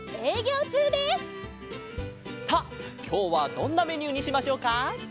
さあきょうはどんなメニューにしましょうか？